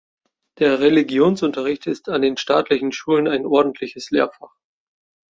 Der Religionsunterricht ist an den staatlichen Schulen ein ordentliches Lehrfach.